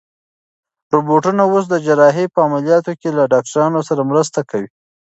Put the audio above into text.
روبوټونه اوس د جراحۍ په عملیاتو کې له ډاکټرانو سره مرسته کوي.